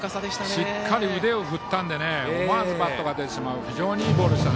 しっかり腕を振ったので思わずバットが出てしまう非常にいいボールでした。